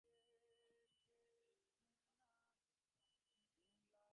আমরা দুজন রিকশায় চেপে এমনভাবে যেতাম, মনে হতো, কোনো আত্মীয়ের বাড়িতে যাচ্ছি।